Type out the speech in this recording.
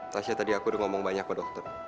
tatya tadi aku udah ngomong banyak sama dokter